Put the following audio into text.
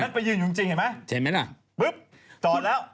นั่นไปยืนจริงเห็นไหมปึ๊บตอนแล้ว